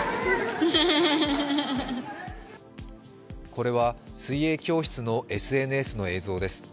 これは水泳教室のＳＮＳの映像です。